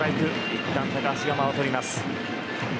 いったん高橋が間を取ります。